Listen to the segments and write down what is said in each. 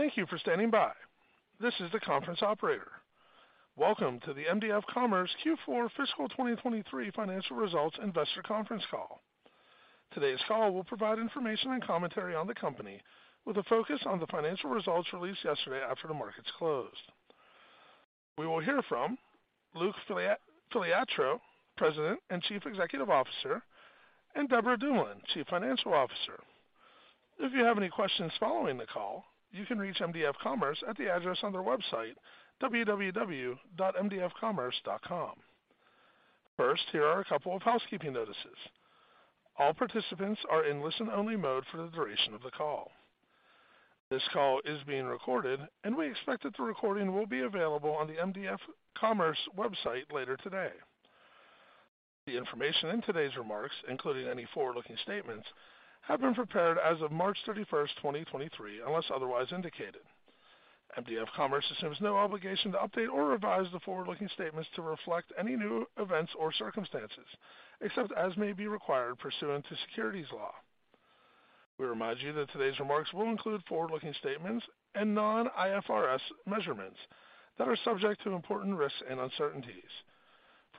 Thank you for standing by. This is the conference operator. Welcome to the mdf commerce Q4 Fiscal 2023 Financial Results Investor Conference Call. Today's call will provide information and commentary on the company, with a focus on the financial results released yesterday after the markets closed. We will hear from Luc Filiatreault, President and Chief Executive Officer, and Deborah Dumoulin, Chief Financial Officer. If you have any questions following the call, you can reach mdf commerce at the address on their website, www.mdfcommerce.com. First here are a couple of housekeeping notices. All participants are in listen-only mode for the duration of the call. This call is being recorded. We expect that the recording will be available on the mdf commerce website later today. The information in today's remarks, including any forward-looking statements, have been prepared as of March 31, 2023, unless otherwise indicated. mdf commerce assumes no obligation to update or revise the forward-looking statements to reflect any new events or circumstances, except as may be required pursuant to securities law. We remind you that today's remarks will include forward-looking statements and non-IFRS measurements that are subject to important risks and uncertainties.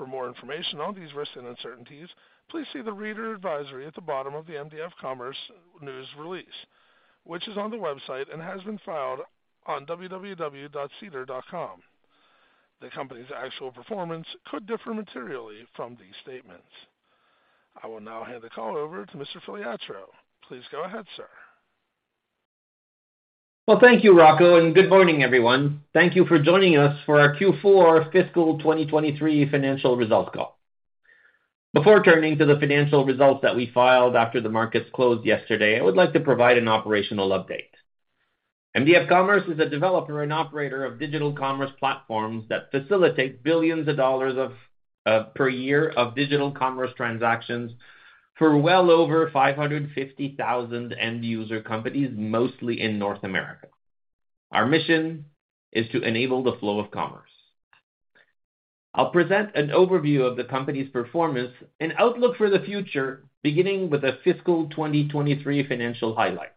For more information on these risks and uncertainties, please see the reader advisory at the bottom of the mdf commerce news release, which is on the website and has been filed on www.sedar.com. The Company's actual performance could differ materially from these statements. I will now hand the call over to Mr. Filiatreault. Please go ahead, sir. Well, thank you, Rocco. Good morning, everyone. Thank you for joining us for our Q4 Fiscal 2023 Financial Results Call. Before turning to the financial results that we filed after the markets closed yesterday, I would like to provide an operational update. mdf commerce is a developer and operator of digital commerce platforms that facilitate billions of dollars per year of digital commerce transactions for well over 550,000 end-user companies, mostly in North America. Our mission is to enable the flow of commerce. I'll present an overview of the company's performance and outlook for the future, beginning with the fiscal 2023 financial highlight.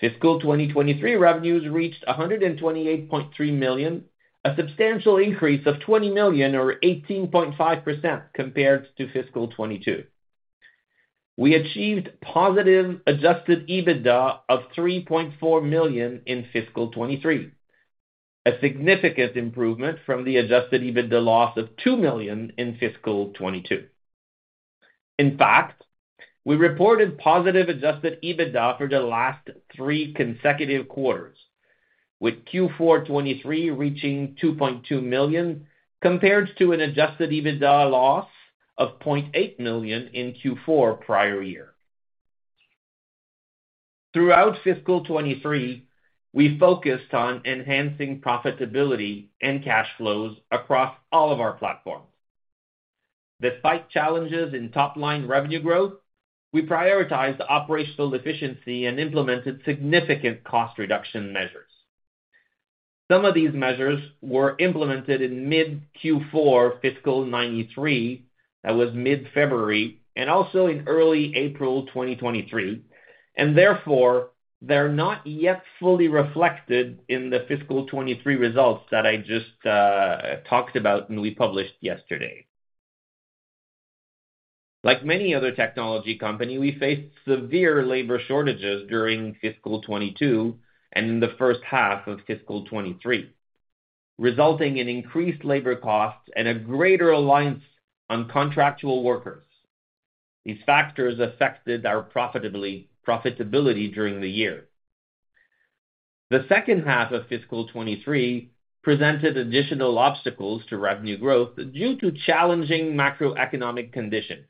Fiscal 2023 revenues reached 128.3 million, a substantial increase of 20 million or 18.5% compared to fiscal 2022. We achieved positive adjusted EBITDA of 3.4 million in fiscal 2023, a significant improvement from the adjusted EBITDA loss of 2 million in fiscal 2022. We reported positive adjusted EBITDA for the last three consecutive quarters, with Q4 2023 reaching 2.2 million, compared to an adjusted EBITDA loss of 0.8 million in Q4 prior year. Throughout fiscal 2023, we focused on enhancing profitability and cash flows across all of our platforms. Despite challenges in top-line revenue growth, we prioritized operational efficiency and implemented significant cost reduction measures. Some of these measures were implemented in mid-Q4 fiscal 2023, that was mid-February, and also in early April 2023, and therefore, they're not yet fully reflected in the fiscal 2023 results that I just talked about and we published yesterday. Like many other technology company, we faced severe labor shortages during fiscal 2022 and in the first half of fiscal 2023, resulting in increased labor costs and a greater alliance on contractual workers. These factors affected our profitability during the year. The second half of fiscal 2023 presented additional obstacles to revenue growth due to challenging macroeconomic conditions.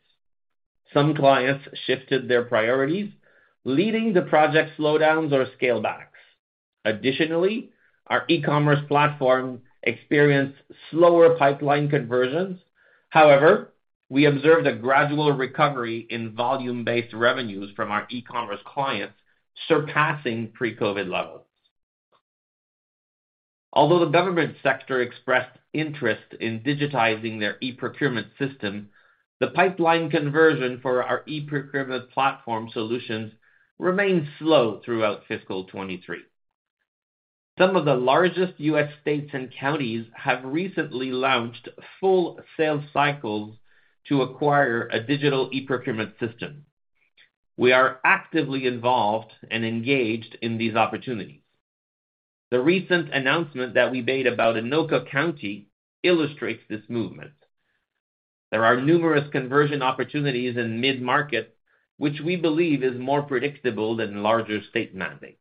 Some clients shifted their priorities, leading to project slowdowns or scale backs. Additionally, our ecommerce platform experienced slower pipeline conversions. However, we observed a gradual recovery in volume-based revenues from our ecommerce clients, surpassing pre-COVID levels. Although the government sector expressed interest in digitizing their eprocurement system, the pipeline conversion for our eprocurement platform solutions remained slow throughout fiscal 2023. Some of the largest U.S. states and counties have recently launched full sales cycles to acquire a digital eprocurement system. We are actively involved and engaged in these opportunities. The recent announcement that we made about Anoka County illustrates this movement. There are numerous conversion opportunities in mid-market, which we believe is more predictable than larger state mandates.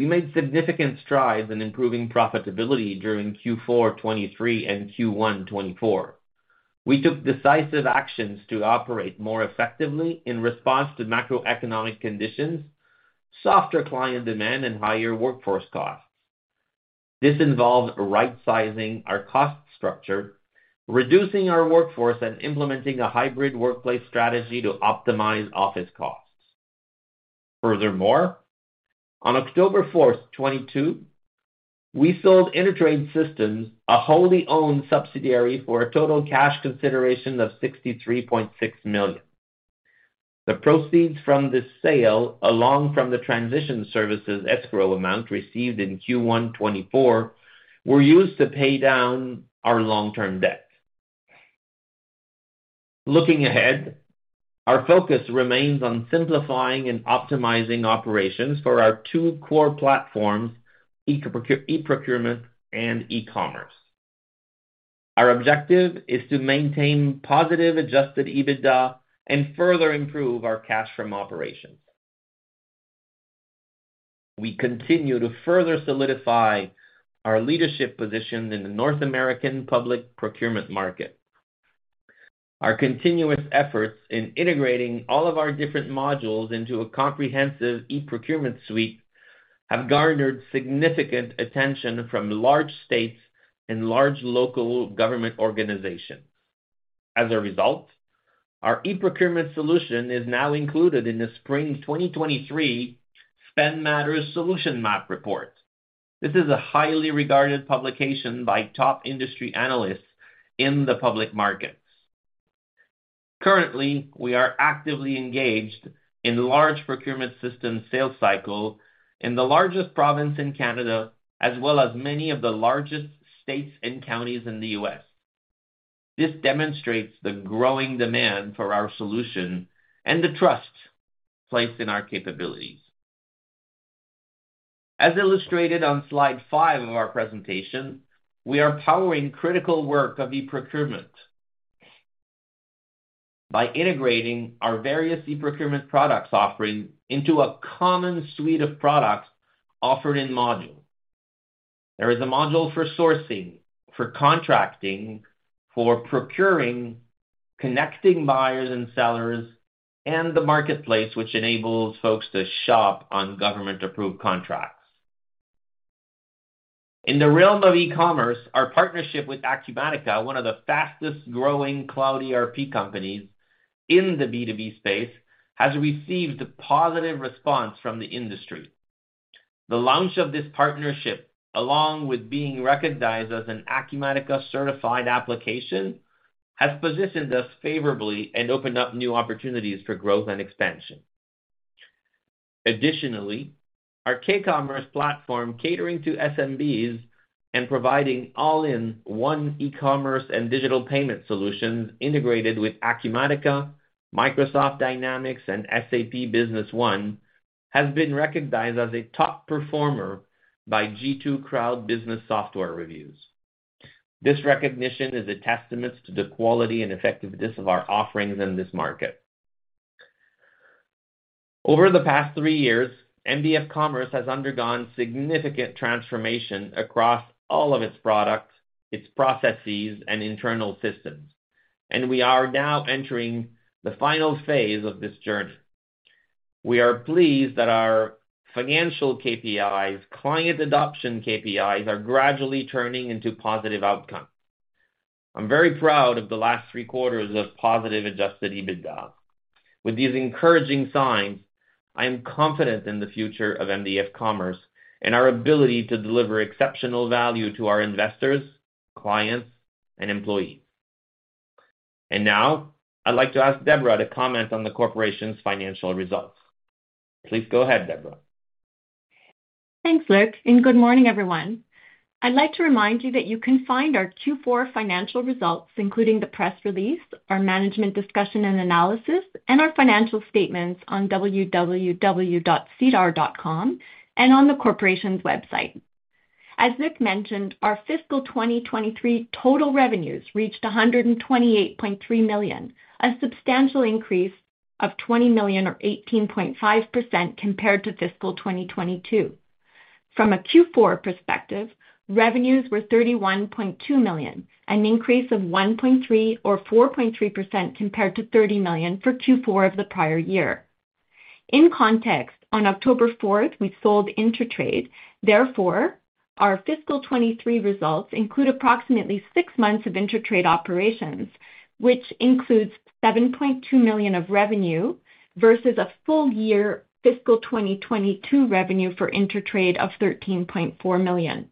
We made significant strides in improving profitability during Q4 2023 and Q1 2024. We took decisive actions to operate more effectively in response to macroeconomic conditions, softer client demand, and higher workforce costs. This involved right-sizing our cost structure, reducing our workforce, and implementing a hybrid workplace strategy to optimize office costs. Futhermore, on October 4, 2022, we sold InterTrade Systems, a wholly owned subsidiary, for a total cash consideration of CAD 63.6 million. The proceeds from this sale, along from the transition services escrow amount received in Q1 2024, were used to pay down our long-term debt. Looking ahead, our focus remains on simplifying and optimizing operations for our two core platforms, eprocurement and ecommerce. Our objective is to maintain positive adjusted EBITDA and further improve our cash from operations. We continue to further solidify our leadership position in the North American public procurement market. Our continuous efforts in integrating all of our different modules into a comprehensive eprocurement suite have garnered significant attention from large states and large local government organizations. As a result, our eprocurement solution is now included in the Spring 2023 Spend Matters SolutionMap report. This is a highly regarded publication by top industry analysts in the public markets. Currently, we are actively engaged in large procurement system sales cycle in the largest province in Canada, as well as many of the largest states and counties in the US. This demonstrates the growing demand for our solution and the trust placed in our capabilities. As illustrated on slide five of our presentation, we are powering critical work of eprocurement by integrating our various eprocurement products offering into a common suite of products offered in module. There is a module for sourcing, for contracting, for procuring, connecting buyers and sellers, and the marketplace, which enables folks to shop on government-approved contracts. In the realm of ecommerce, our partnership with Acumatica, one of the fastest growing cloud ERP companies in the B2B space, has received a positive response from the industry. The launch of this partnership, along with being recognized as an Acumatica certified application, has positioned us favorably and opened up new opportunities for growth and expansion. Additionally, our k-ecommerce platform, catering to SMBs and providing all-in-one ecommerce and digital payment solutions integrated with Acumatica, Microsoft Dynamics, and SAP Business One, has been recognized as a top performer by G2 Cloud Business Software Reviews. This recognition is a testament to the quality and effectiveness of our offerings in this market. Over the past three years, mdf commerce has undergone significant transformation across all of its products, its processes, and internal systems, and we are now entering the final phase of this journey. We are pleased that our financial KPIs, client adoption KPIs, are gradually turning into positive outcomes. I'm very proud of the last three quarters of positive adjusted EBITDA. With these encouraging signs, I am confident in the future of mdf commerce and our ability to deliver exceptional value to our investors, clients, and employees. Now, I'd like to ask Deborah to comment on the corporation's financial results. Please go ahead, Deborah. Thanks, Luc, good morning, everyone. I'd like to remind you that you can find our Q4 financial results, including the press release, our management discussion and analysis, and our financial statements on www.sedar.com and on the corporation's website. As Luc mentioned, our fiscal 2023 total revenues reached 128.3 million, a substantial increase of 20 million or 18.5% compared to fiscal 2022. From a Q4 perspective, revenues were 31.2 million, an increase of 1.3 million or 4.3% compared to 30 million for Q4 of the prior year. In context, on October fourth, we sold InterTrade. Our fiscal 2023 results include approximately six months of InterTrade operations, which includes 7.2 million of revenue, versus a full year fiscal 2022 revenue for InterTrade of 13.4 million.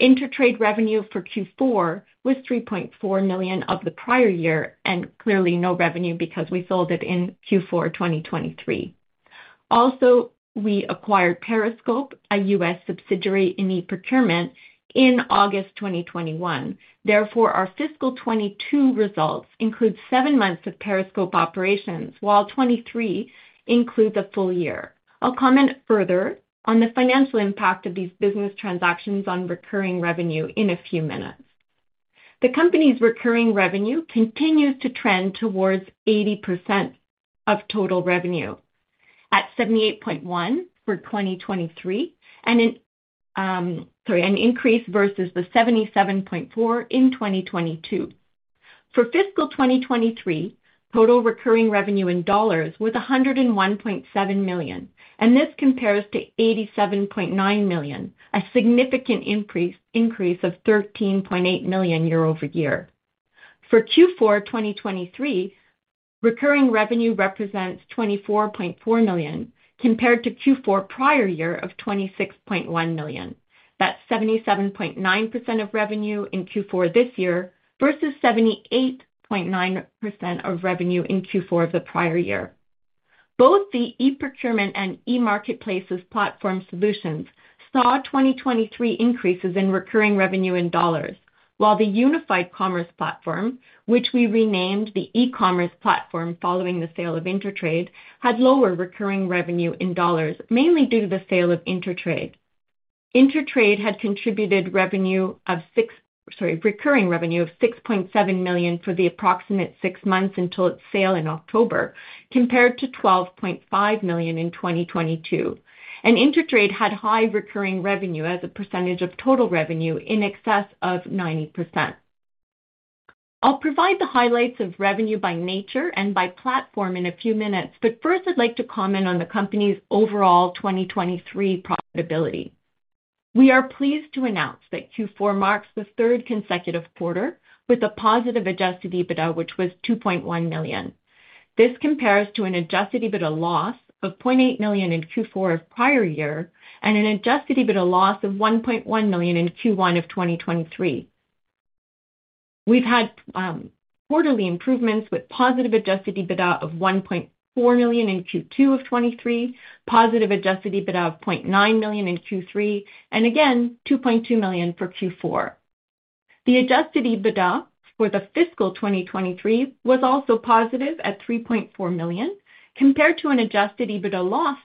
InterTrade revenue for Q4 was 3.4 million of the prior year. Clearly no revenue because we sold it in Q4 2023. We acquired Periscope, a U.S. subsidiary in eprocurement, in August 2021. Our fiscal 2022 results include seven months of Periscope operations, while 2023 include the full year. I'll comment further on the financial impact of these business transactions on recurring revenue in a few minutes. The company's recurring revenue continues to trend towards 80% of total revenue, at 78.1% for 2023, an increase versus the 77.4% in 2022. For fiscal 2023, total recurring revenue in dollars was CAD 101.7 million. This compares to CAD 87.9 million, a significant increase of CAD 13.8 million year-over-year. For Q4 2023, recurring revenue represents 24.4 million, compared to Q4 prior year of 26.1 million. That's 77.9% of revenue in Q4 this year, versus 78.9% of revenue in Q4 of the prior year. Both the eprocurement and emarketplaces platform solutions saw 2023 increases in recurring revenue in dollars, while the Unified Commerce platform, which we renamed the ecommerce platform following the sale of InterTrade, had lower recurring revenue in dollars, mainly due to the sale of InterTrade. InterTrade had contributed recurring revenue of 6.7 million for the approximate six months until its sale in October, compared to 12.5 million in 2022. InterTrade had high recurring revenue as a percentage of total revenue in excess of 90%. I'll provide the highlights of revenue by nature and by platform in a few minutes. First, I'd like to comment on the company's overall 2023 profitability. We are pleased to announce that Q4 marks the third consecutive quarter with a positive adjusted EBITDA, which was 2.1 million. This compares to an adjusted EBITDA loss of 0.8 million in Q4 of prior year, and an adjusted EBITDA loss of 1.1 million in Q1 of 2023. We've had quarterly improvements with positive adjusted EBITDA of 1.4 million in Q2 of 2023, positive adjusted EBITDA of 0.9 million in Q3. Again, 2.2 million for Q4. The adjusted EBITDA for the fiscal 2023 was also positive at 3.4 million, compared to an adjusted EBITDA loss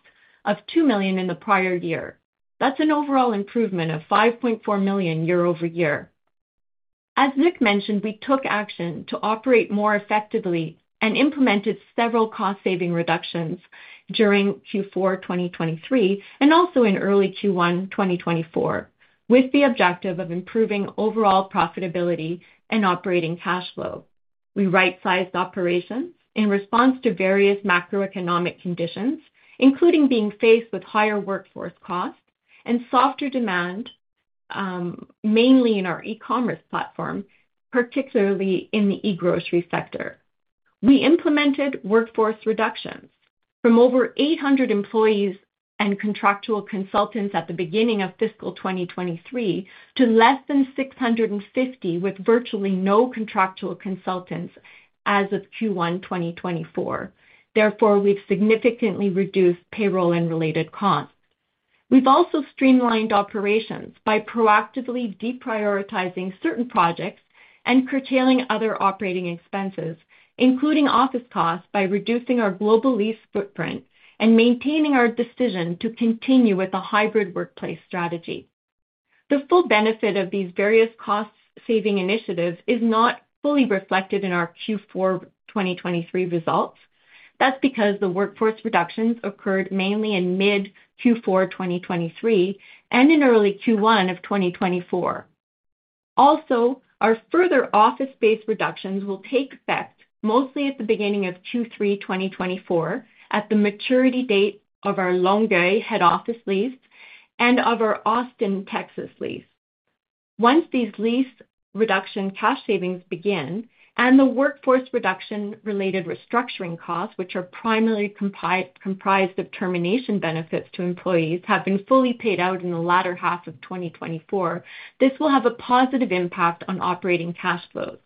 of 2 million in the prior year. That's an overall improvement of 5.4 million year-over-year. As Luc mentioned, we took action to operate more effectively and implemented several cost-saving reductions during Q4 2023, and also in early Q1 2024, with the objective of improving overall profitability and operating cash flow. We right-sized operations in response to various macroeconomic conditions, including being faced with higher workforce costs and softer demand, mainly in our ecommerce platform, particularly in the e-grocery sector. We implemented workforce reductions from over 800 employees and contractual consultants at the beginning of fiscal 2023 to less than 650, with virtually no contractual consultants as of Q1 2024. Therefore, we've significantly reduced payroll and related costs. We've also streamlined operations by proactively deprioritizing certain projects and curtailing other operating expenses, including office costs, by reducing our global lease footprint and maintaining our decision to continue with a hybrid workplace strategy. The full benefit of these various cost-saving initiatives is not fully reflected in our Q4 2023 results. That's because the workforce reductions occurred mainly in mid-Q4 2023 and in early Q1 of 2024. Also, our further office space reductions will take effect mostly at the beginning of Q3 2024, at the maturity date of our Longueuil head office lease and of our Austin, Texas lease. Once these lease reduction cash savings begin and the workforce reduction-related restructuring costs, which are primarily comprised of termination benefits to employees, have been fully paid out in the latter half of 2024, this will have a positive impact on operating cash flows.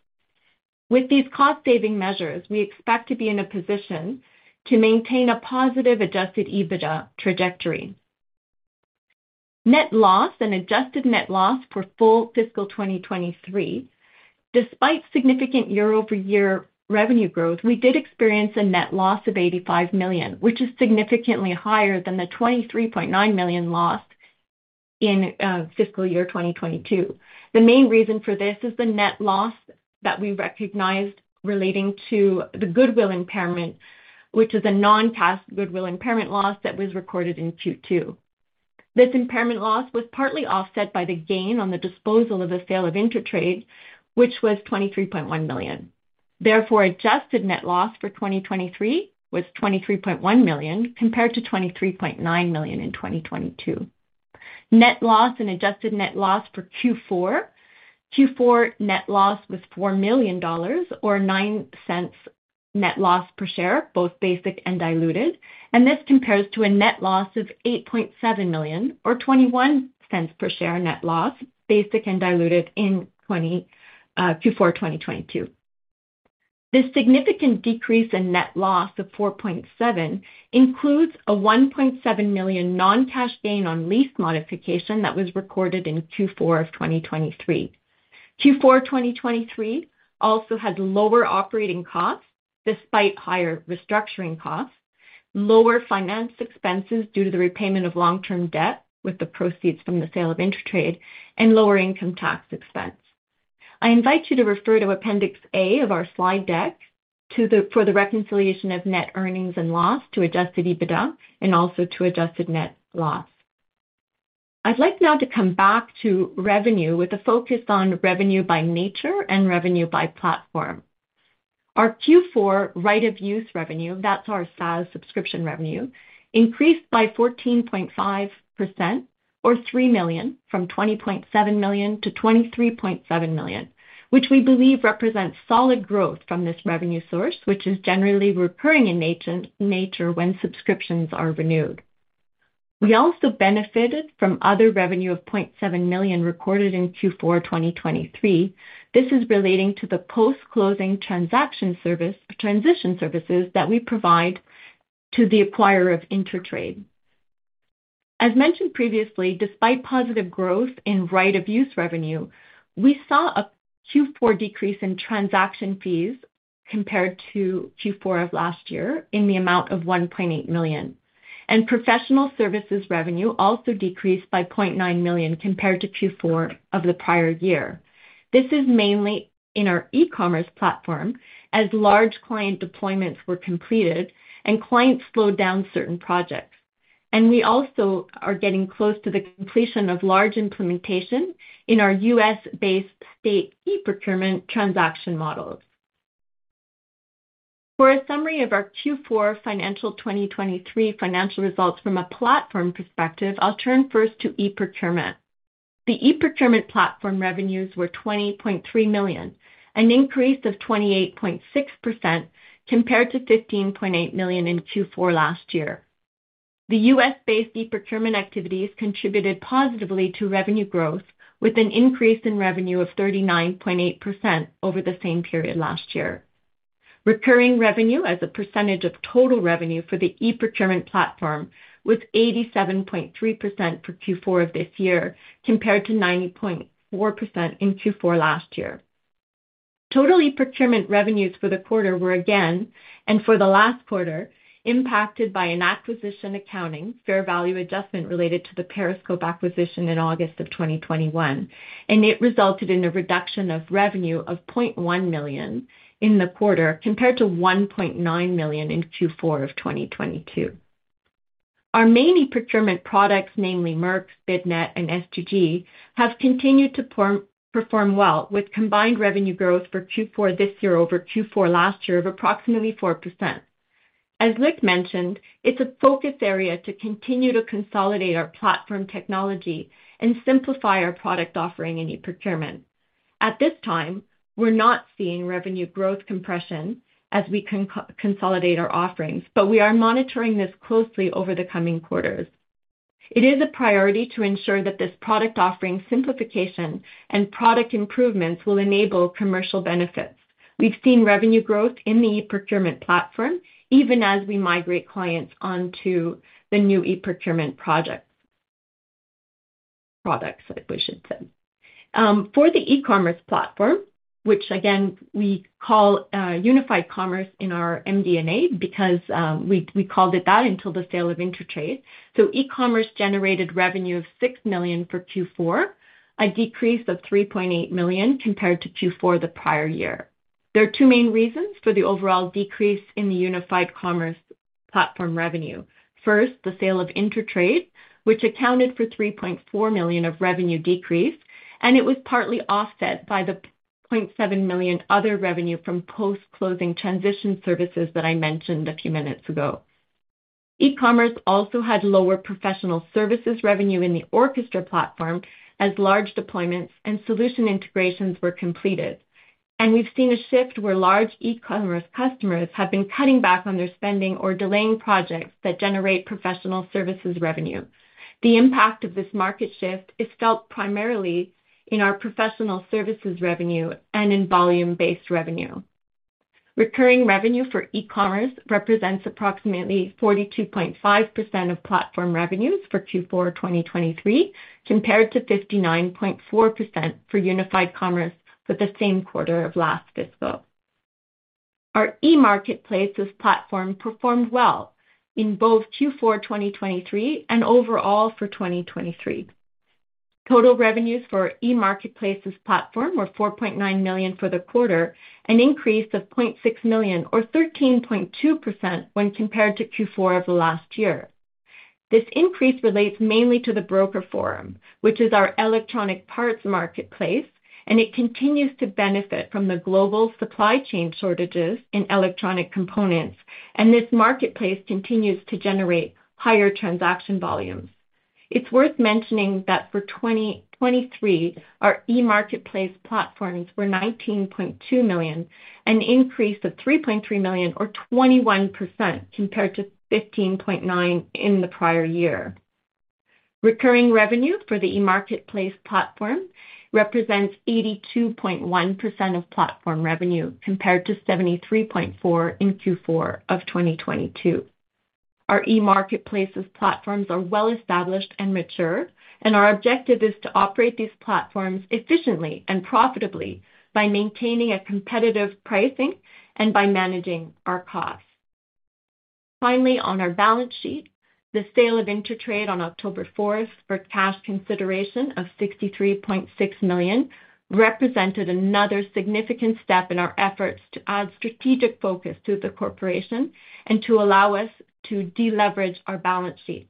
With these cost-saving measures, we expect to be in a position to maintain a positive adjusted EBITDA trajectory. Net loss and adjusted net loss for full fiscal 2023. Despite significant year-over-year revenue growth, we did experience a net loss of 85 million, which is significantly higher than the 23.9 million loss in fiscal year 2022. The main reason for this is the net loss that we recognized relating to the goodwill impairment, which is a non-cash goodwill impairment loss that was recorded in Q2. This impairment loss was partly offset by the gain on the disposal of the sale of InterTrade, which was 23.1 million. Therefore, adjusted net loss for 2023 was 23.1 million, compared to 23.9 million in 2022. Net loss and adjusted net loss for Q4. Q4 net loss was 4 million dollars, or 0.09 net loss per share, both basic and diluted. This compares to a net loss of 8.7 million, or 0.21 per share net loss, basic and diluted in Q4 2022. This significant decrease in net loss of 4.7 million includes a 1.7 million non-cash gain on lease modification that was recorded in Q4 of 2023. Q4 2023 also had lower operating costs despite higher restructuring costs, lower finance expenses due to the repayment of long-term debt with the proceeds from the sale of InterTrade, and lower income tax expense. I invite you to refer to Appendix A of our slide deck for the reconciliation of net earnings and loss to adjusted EBITDA and also to adjusted net loss. I'd like now to come back to revenue with a focus on revenue by nature and revenue by platform. Our Q4 right of use revenue, that's our SaaS subscription revenue, increased by 14.5%, or 3 million, from 20.7 million to 23.7 million, which we believe represents solid growth from this revenue source, which is generally recurring in nature when subscriptions are renewed. We also benefited from other revenue of 0.7 million recorded in Q4 2023. This is relating to the post-closing transaction service, transition services that we provide to the acquirer of InterTrade. As mentioned previously, despite positive growth in right of use revenue, we saw a Q4 decrease in transaction fees compared to Q4 of last year in the amount of 1.8 million. Professional services revenue also decreased by 0.9 million compared to Q4 of the prior year. This is mainly in our ecommerce platform, as large client deployments were completed and clients slowed down certain projects. We also are getting close to the completion of large implementation in our US-based state eprocurement transaction models. For a summary of our Q4 2023 financial results from a platform perspective, I'll turn first to eprocurement. The eprocurement platform revenues were 20.3 million, an increase of 28.6% compared to 15.8 million in Q4 last year. The US-based eprocurement activities contributed positively to revenue growth, with an increase in revenue of 39.8% over the same period last year. Recurring revenue as a percentage of total revenue for the eprocurement platform was 87.3% for Q4 of this year, compared to 90.4% in Q4 last year. Total eprocurement revenues for the quarter were again, and for the last quarter, impacted by an acquisition accounting fair value adjustment related to the Periscope acquisition in August of 2021. It resulted in a reduction of revenue of 0.1 million in the quarter, compared to 1.9 million in Q4 of 2022. Our main eprocurement products, namely MERX, BidNet, and S2G, have continued to perform well, with combined revenue growth for Q4 this year over Q4 last year of approximately 4%. As Luc mentioned, it's a focus area to continue to consolidate our platform technology and simplify our product offering in eprocurement. At this time, we're not seeing revenue growth compression as we consolidate our offerings. We are monitoring this closely over the coming quarters. It is a priority to ensure that this product offering simplification and product improvements will enable commercial benefits. We've seen revenue growth in the eprocurement platform, even as we migrate clients onto the new eprocurement products. For the ecommerce platform, which again, we call Unified Commerce in our MD&A because we called it that until the sale of InterTrade. Ecommerce generated revenue of 6 million for Q4, a decrease of 3.8 million compared to Q4 the prior year. There are two main reasons for the overall decrease in the Unified Commerce platform revenue. The sale of InterTrade, which accounted for 3.4 million of revenue decrease, it was partly offset by 0.7 million other revenue from post-closing transition services that I mentioned a few minutes ago. ecommerce also had lower professional services revenue in the Orckestra platform as large deployments and solution integrations were completed. We've seen a shift where large ecommerce customers have been cutting back on their spending or delaying projects that generate professional services revenue. The impact of this market shift is felt primarily in our professional services revenue and in volume-based revenue. Recurring revenue for ecommerce represents approximately 42.5% of platform revenues for Q4, 2023, compared to 59.4% for Unified Commerce for the same quarter of last fiscal. Our emarketplaces platform performed well in both Q4, 2023, and overall for 2023. Total revenues for emarketplaces platform were 4.9 million for the quarter, an increase of 0.6 million, or 13.2% when compared to Q4 of last year. This increase relates mainly to The Broker Forum, which is our electronic parts marketplace, and it continues to benefit from the global supply chain shortages in electronic components, and this marketplace continues to generate higher transaction volumes. It's worth mentioning that for 2023, our emarketplaces platforms were 19.2 million, an increase of 3.3 million, or 21%, compared to 15.9 million in the prior year. Recurring revenue for the emarketplaces platform represents 82.1% of platform revenue, compared to 73.4% in Q4 of 2022. Our emarketplaces platforms are well-established and mature, and our objective is to operate these platforms efficiently and profitably by maintaining a competitive pricing and by managing our costs. Finally, on our balance sheet, the sale of InterTrade on October fourth for cash consideration of 63.6 million represented another significant step in our efforts to add strategic focus to the corporation and to allow us to deleverage our balance sheet.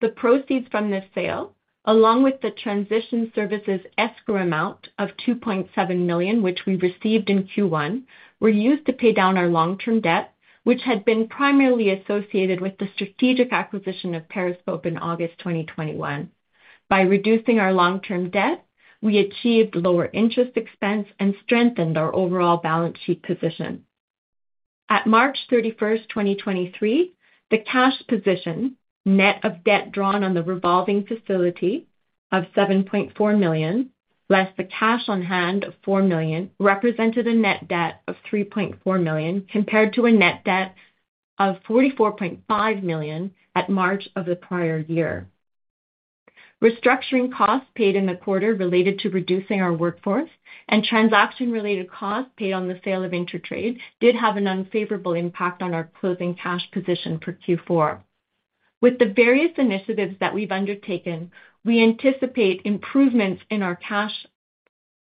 The proceeds from this sale, along with the transition services escrow amount of 2.7 million, which we received in Q1, were used to pay down our long-term debt, which had been primarily associated with the strategic acquisition of Periscope in August 2021. By reducing our long-term debt, we achieved lower interest expense and strengthened our overall balance sheet position. At March 31, 2023, the cash position, net of debt drawn on the revolving facility of 7.4 million, less the cash on hand of 4 million, represented a net debt of 3.4 million, compared to a net debt of 44.5 million at March of the prior year. Restructuring costs paid in the quarter related to reducing our workforce and transaction-related costs paid on the sale of InterTrade did have an unfavorable impact on our closing cash position for Q4. With the various initiatives that we've undertaken, we anticipate improvements in our cash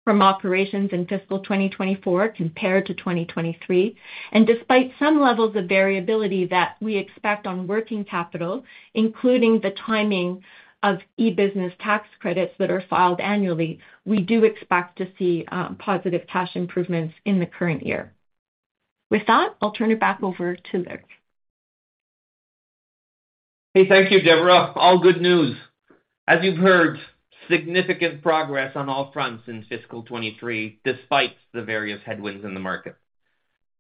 from operations in fiscal 2024 compared to 2023. Despite some levels of variability that we expect on working capital, including the timing of e-business tax credits that are filed annually, we do expect to see positive cash improvements in the current year. With that, I'll turn it back over to Luc. Thank you, Deborah. All good news. As you've heard, significant progress on all fronts in fiscal 2023, despite the various headwinds in the market.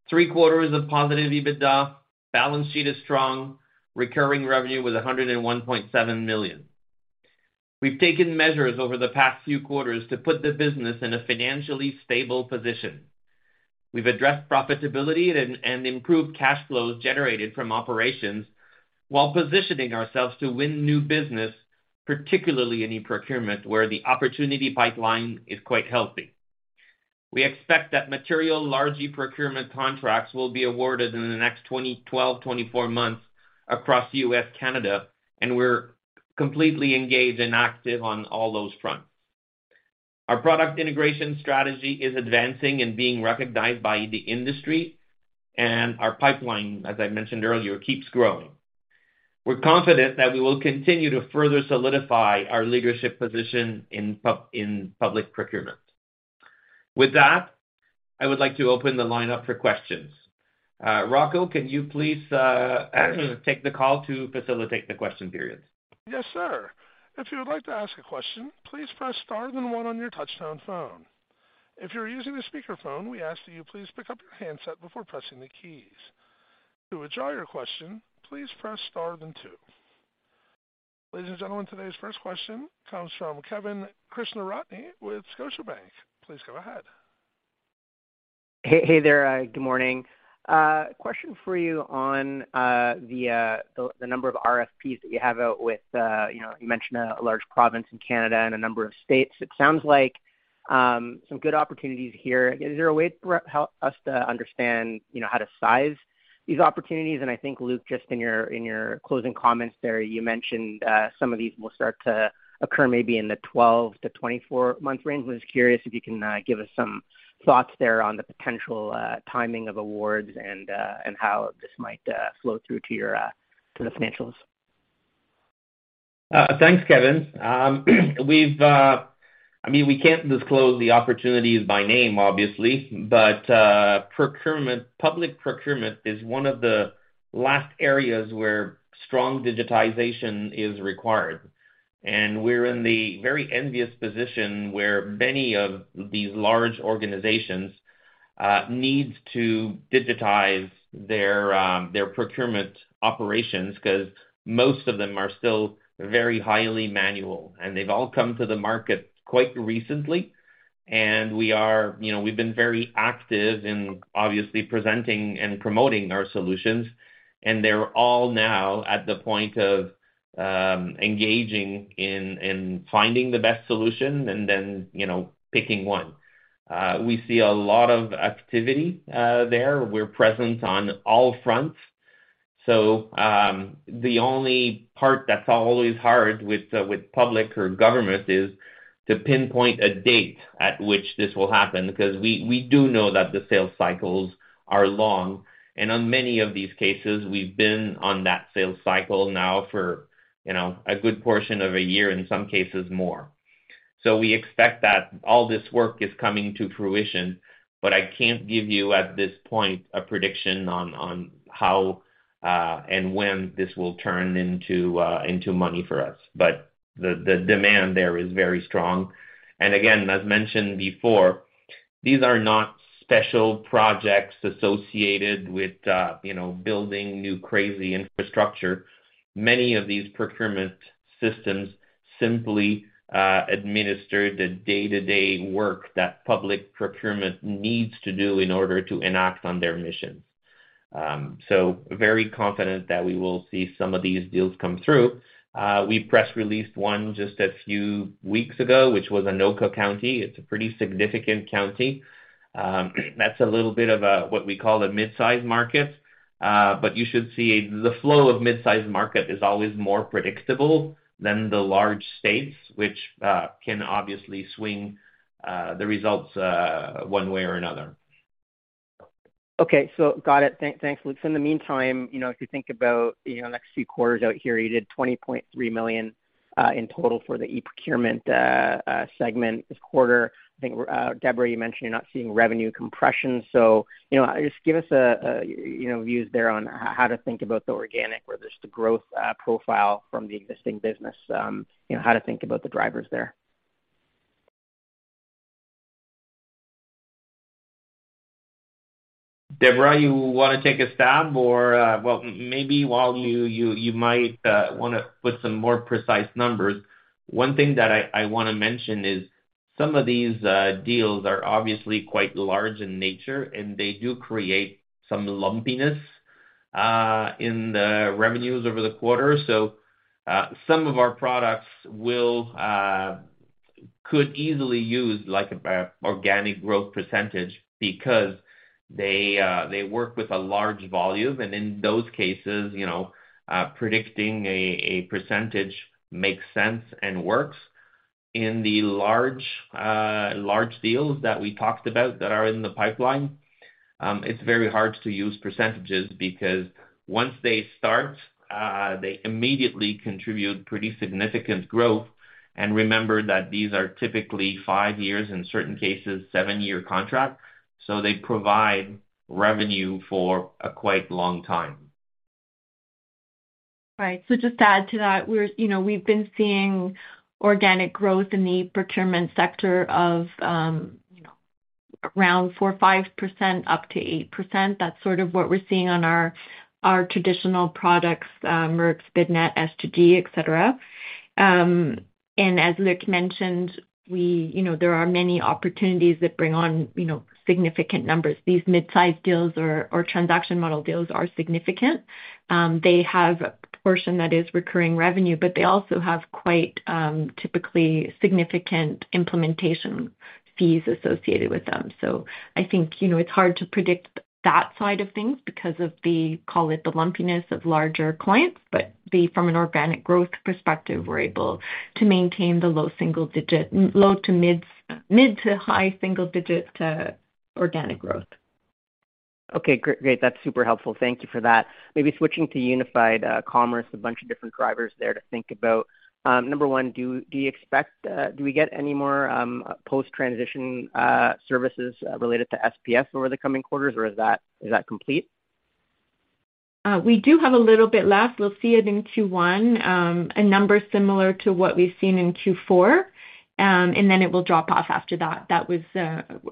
Three quarters of positive EBITDA, balance sheet is strong, recurring revenue was 101.7 million. We've taken measures over the past few quarters to put the business in a financially stable position. We've addressed profitability and improved cash flows generated from operations while positioning ourselves to win new business, particularly in eprocurement, where the opportunity pipeline is quite healthy. We expect that material, large eprocurement contracts will be awarded in the next 12, 24 months across the U.S., Canada, and we're completely engaged and active on all those fronts. Our product integration strategy is advancing and being recognized by the industry, our pipeline, as I mentioned earlier, keeps growing. We're confident that we will continue to further solidify our leadership position in public procurement. With that, I would like to open the line up for questions. Rocco, can you please, take the call to facilitate the question period? Yes, sir. If you would like to ask a question, please press Star and then one on your touchtone phone. If you're using a speakerphone, we ask that you please pick up your handset before pressing the keys. To withdraw your question, please press Star then two. Ladies and gentlemen, today's first question comes from Kevin Krishnaratne with Scotiabank. Please go ahead. Hey, hey there, good morning. Question for you on the number of RFPs that you have out with, you know, you mentioned a large province in Canada and a number of states. It sounds like some good opportunities here. Help us to understand, you know, how to size these opportunities? I think, Luc, just in your, in your closing comments there, you mentioned some of these will start to occur maybe in the 12-24 month range. Was curious if you can give us some thoughts there on the potential timing of awards and how this might flow through to your to the financials. Thanks, Kevin. We've, I mean, we can't disclose the opportunities by name, obviously, but procurement, public procurement is one of the last areas where strong digitization is required, and we're in the very envious position where many of these large organizations, needs to digitize their procurement operations, because most of them are still very highly manual, and they've all come to the market quite recently. We are, you know, we've been very active in obviously presenting and promoting our solutions, and they're all now at the point of engaging in finding the best solution and then, you know, picking one. We see a lot of activity there. We're present on all fronts. The only part that's always hard with public or government is to pinpoint a date at which this will happen, because we do know that the sales cycles are long, and on many of these cases, we've been on that sales cycle now for, you know, a good portion of a year, in some cases more. We expect that all this work is coming to fruition, but I can't give you, at this point, a prediction on how and when this will turn into money for us. The demand there is very strong. Again, as mentioned before, these are not special projects associated with, you know, building new crazy infrastructure. Many of these procurement systems simply administer the day-to-day work that public procurement needs to do in order to enact on their missions. Very confident that we will see some of these deals come through. We press released one just a few weeks ago, which was Anoka County. It's a pretty significant county. That's a little bit of a, what we call a mid-sized market, you should see the flow of mid-sized market is always more predictable than the large states, which can obviously swing the results one way or another. Okay, got it. Thanks, Luc. In the meantime, you know, if you think about, you know, the next few quarters out here, you did 20.3 million in total for the eprocurement segment this quarter. I think, Debra, you mentioned you're not seeing revenue compression. You know, just give us a, you know, views there on how to think about the organic or just the growth profile from the existing business. You know, how to think about the drivers there. Debra, you wanna take a stab or, well, maybe while you might wanna put some more precise numbers. One thing that I wanna mention is some of these deals are obviously quite large in nature, and they do create some lumpiness in the revenues over the quarter. Some of our products will could easily use like a organic growth percentage because they work with a large volume, and in those cases, you know, predicting a percentage makes sense and works. In the large deals that we talked about that are in the pipeline, it's very hard to use percentages because once they start, they immediately contribute pretty significant growth. Remember that these are typically five years, in certain cases, seven-year contracts, so they provide revenue for a quite long time. Just to add to that, we're, you know, we've been seeing organic growth in the procurement sector of, you know, around 4% or 5%, up to 8%. That's sort of what we're seeing on our traditional products, MERX, BidNet, S2G, et cetera. As Luc mentioned, we, you know, there are many opportunities that bring on, you know, significant numbers. These mid-sized deals or transaction model deals are significant. They have a portion that is recurring revenue, but they also have quite, typically significant implementation fees associated with them. I think, you know, it's hard to predict that side of things because of the, call it, the lumpiness of larger clients, but the from an organic growth perspective, we're able to maintain the low single-digit to mid to high single-digit organic growth. Okay, great. That's super helpful. Thank you for that. Maybe switching to Unified Commerce, a bunch of different drivers there to think about. Number one, do you expect, do we get any more post-transition services related to SPF over the coming quarters, or is that complete? We do have a little bit left. We'll see it in Q1, a number similar to what we've seen in Q4. It will drop off after that. That was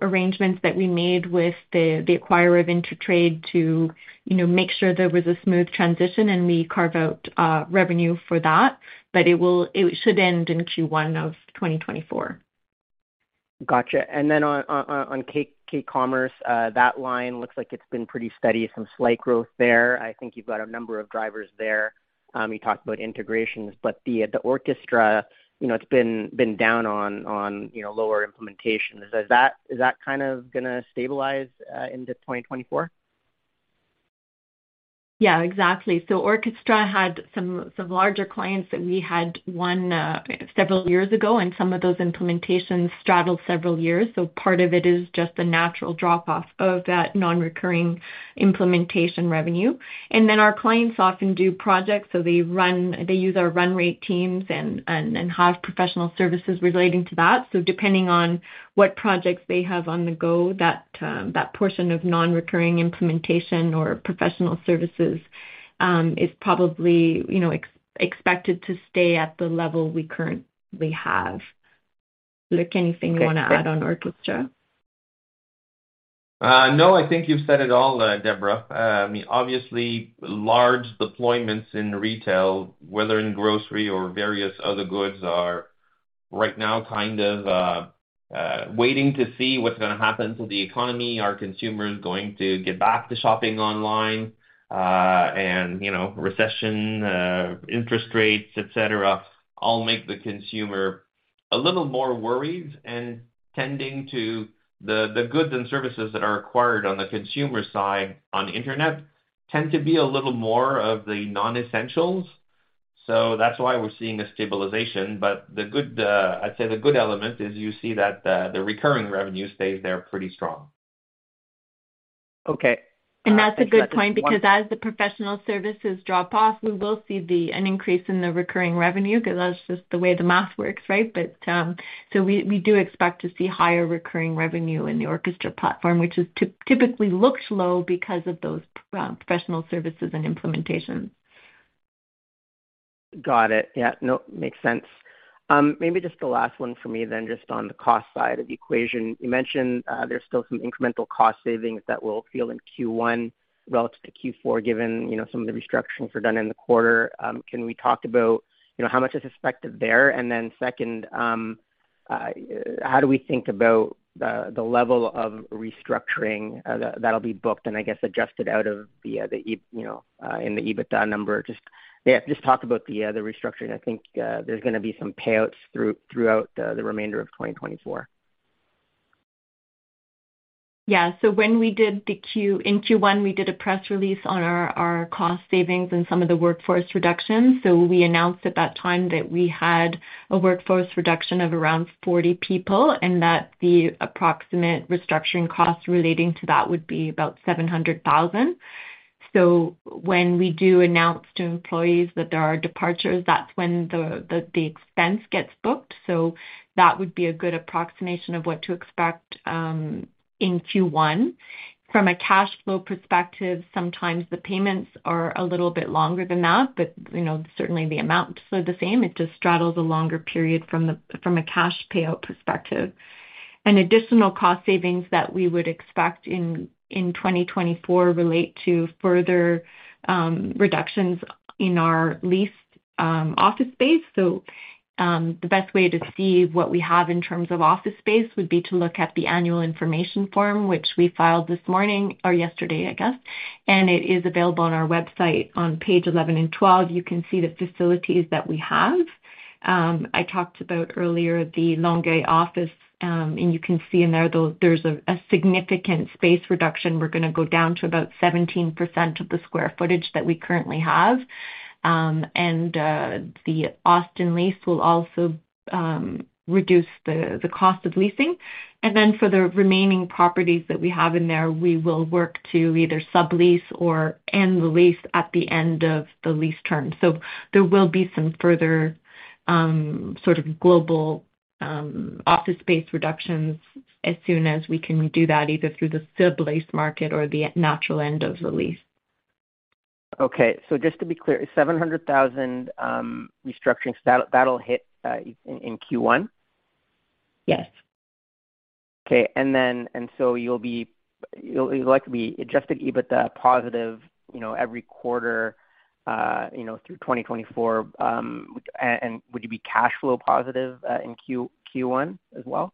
arrangements that we made with the acquirer of Intertrade to, you know, make sure there was a smooth transition, and we carve out revenue for that. It should end in Q1 of 2024. Gotcha. On k-ecommerce, that line looks like it's been pretty steady, some slight growth there. I think you've got a number of drivers there. You talked about integrations, but the Orckestra, you know, it's been down on, you know, lower implementation. Is that kind of gonna stabilize into 2024? Exactly. Orckestra had some larger clients that we had won several years ago, and some of those implementations straddled several years. Part of it is just a natural drop-off of that non-recurring implementation revenue. And then our clients often do projects, so they use our run rate teams and have professional services relating to that. Depending on what projects they have on the go, that portion of non-recurring implementation or professional services is probably, you know, expected to stay at the level we currently have. Luc, anything you wanna add on Orckestra? No, I think you've said it all, Debra. I mean, obviously, large deployments in retail, whether in grocery or various other goods, are right now kind of waiting to see what's gonna happen to the economy. Are consumers going to get back to shopping online? You know, recession, interest rates, et cetera, all make the consumer a little more worried and tending to the goods and services that are acquired on the consumer side on the internet, tend to be a little more of the non-essentials. That's why we're seeing a stabilization. The good, I'd say the good element is you see that the recurring revenue stays there pretty strong. Okay. That's a good point, because as the professional services drop off, we will see an increase in the recurring revenue, because that's just the way the math works, right? We do expect to see higher recurring revenue in the Orckestra platform, which typically looks low because of those professional services and implementations. Got it. Yeah, no, makes sense. Maybe just the last one for me, just on the cost side of the equation. You mentioned there's still some incremental cost savings that we'll feel in Q1 relative to Q4, given, you know, some of the restructurings were done in the quarter. Can we talk about, you know, how much is expected there? Second, how do we think about the level of restructuring that'll be booked and I guess adjusted out of the, you know, in the EBITDA number? Just, yeah, just talk about the restructuring. I think there's gonna be some payouts throughout the remainder of 2024. Yeah. When we did in Q1, we did a press release on our cost savings and some of the workforce reductions. We announced at that time that we had a workforce reduction of around 40 people, and that the approximate restructuring costs relating to that would be about 700,000. When we do announce to employees that there are departures, that's when the expense gets booked. That would be a good approximation of what to expect in Q1. From a cash flow perspective, sometimes the payments are a little bit longer than that, but, you know, certainly the amounts are the same. It just straddles a longer period from a cash payout perspective. An additional cost savings that we would expect in 2024 relate to further reductions in our leased office space. The best way to see what we have in terms of office space would be to look at the annual information form, which we filed this morning or yesterday, I guess, and it is available on our website. On page 11 and 12, you can see the facilities that we have. I talked about earlier the Longueuil office, you can see in there, though, there's a significant space reduction. We're gonna go down to about 17% of the square footage that we currently have. The Austin lease will also reduce the cost of leasing. For the remaining properties that we have in there, we will work to either sublease or end the lease at the end of the lease term. There will be some further, sort of global, office space reductions as soon as we can do that, either through the sublease market or the natural end of the lease. Just to be clear, 700,000 restructuring, that'll hit in Q1? Yes. Okay, you'll likely be adjusted EBITDA positive, you know, every quarter, you know, through 2024. Would you be cash flow positive in Q1 as well?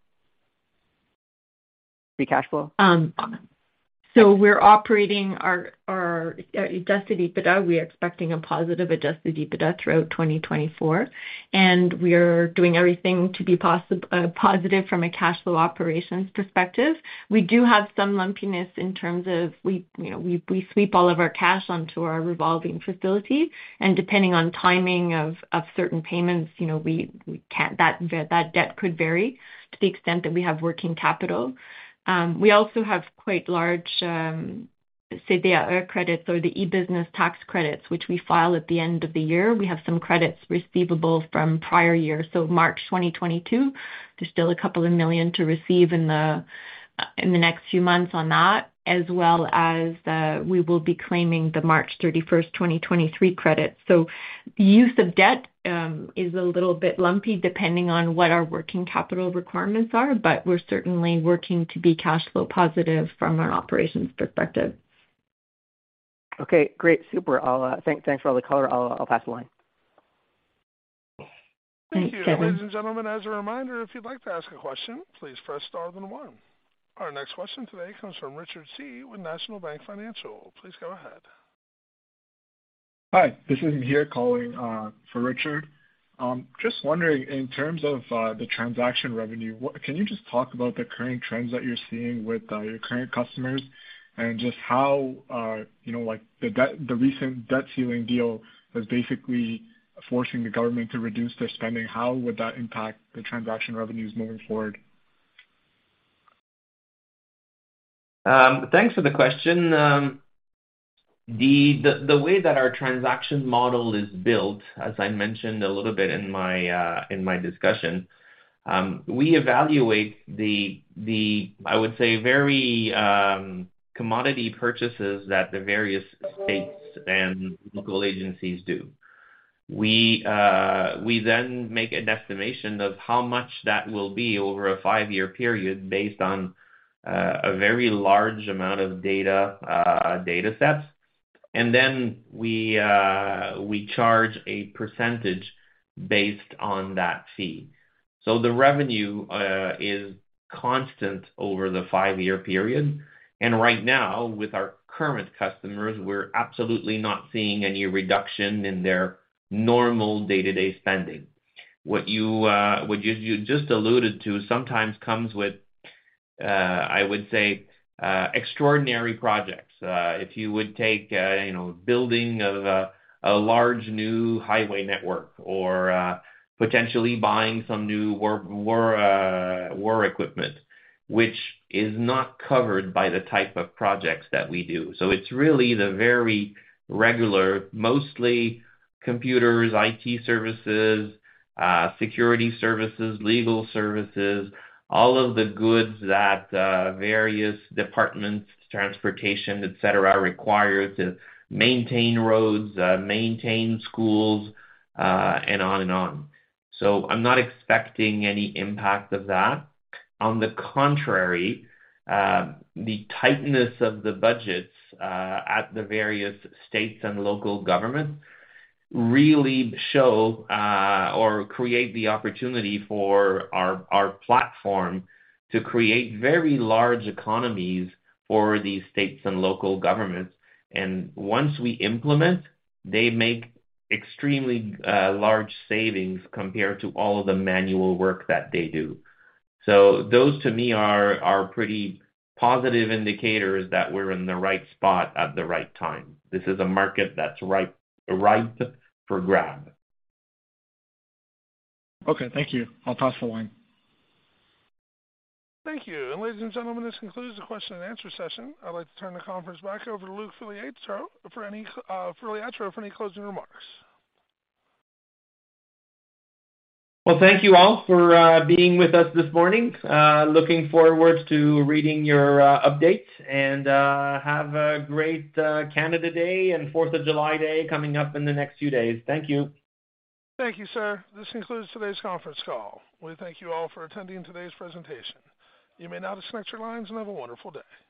Be cash flow. We're operating our adjusted EBITDA. We are expecting a positive adjusted EBITDA throughout 2024, and we are doing everything to be positive from a cash flow operations perspective. We do have some lumpiness in terms of we, you know, we sweep all of our cash onto our revolving facility, and depending on timing of certain payments, you know, that debt could vary to the extent that we have working capital. We also have quite large CDAE credits or the e-business tax credits, which we file at the end of the year. We have some credits receivable from prior years, so March 2022. There's still 2 million to receive in the next few months on that, as well as we will be claiming the March 31st, 2023 credits. The use of debt, is a little bit lumpy, depending on what our working capital requirements are, but we're certainly working to be cash flow positive from an operations perspective. Okay, great. Super. Thanks for all the color. I'll pass the line. Thanks. Thank you. Ladies and gentlemen, as a reminder, if you'd like to ask a question, please press star then one. Our next question today comes from Richard Tse. with National Bank Financial. Please go ahead. Hi, this is Mihir calling for Richard. Just wondering, in terms of the transaction revenue, can you just talk about the current trends that you're seeing with your current customers? Just how you know, like the recent debt ceiling deal is basically forcing the government to reduce their spending. How would that impact the transaction revenues moving forward? Thanks for the question. The way that our transaction model is built, as I mentioned a little bit in my discussion, we evaluate the... I would say, very, commodity purchases that the various states and local agencies do. Then we make an estimation of how much that will be over a five-year period based on a very large amount of data sets. Then we charge a percentage based on that fee. The revenue is constant over the five-year period. Right now, with our current customers, we're absolutely not seeing any reduction in their normal day-to-day spending. What you, what you just alluded to sometimes comes with, I would say, extraordinary projects. If you would take, you know, building of a large new highway network or potentially buying some new war equipment, which is not covered by the type of projects that we do. It's really the very regular, mostly computers, IT services, security services, legal services, all of the goods that various departments, transportation, et cetera, require to maintain roads, maintain schools, and on and on. I'm not expecting any impact of that. On the contrary, the tightness of the budgets at the various states and local governments really show or create the opportunity for our platform to create very large economies for these states and local governments. Once we implement, they make extremely large savings compared to all of the manual work that they do. Those to me are pretty positive indicators that we're in the right spot at the right time. This is a market that's ripe for grab. Okay, thank you. I'll pass the line. Thank you. Ladies and gentlemen, this concludes the question and answer session. I'd like to turn the conference back over to Luc Filiatreault for any closing remarks. Thank you all for being with us this morning. Looking forward to reading your updates, and have a great Canada Day and Fourth of July day coming up in the next few days. Thank you. Thank you, sir. This concludes today's conference call. We thank you all for attending today's presentation. You may now disconnect your lines and have a wonderful day. Bye-bye.